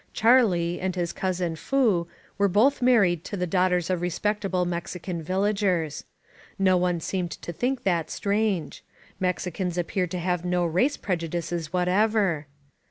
Charlie, and his cousin Foo, were both married to the daughters of respectable Mexican villagers. No one seemed to think that strange. Mexicans appear to have no race prejudices whatever.